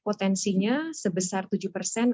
potensinya sebesar tujuh persen